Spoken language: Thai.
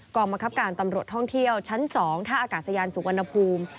กรรมบังคับการตำรวจท่องเที่ยวชั้น๒ท่าอากาศยานสุวรรณภูมิ